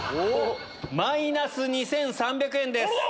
マイナス２３００円です。